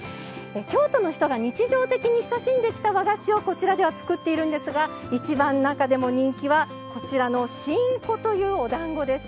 京都の人が日常的に親しんできた和菓子をこちらでは作っているんですが一番中でも人気がこちらの志んこというおだんごです。